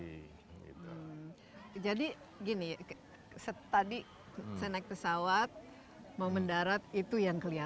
pembicara lima puluh jadi gini tadi saya naik pesawat mau mendarat itu yang kelihatan